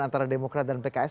antara demokrat dan pks